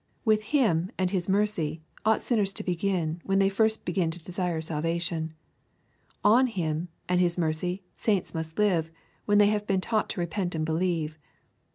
With Him and His mercy sinners ought to begin, when they first begin to desire salvation. On Him and His mercy saints must live, when they have been taught to repent and believe.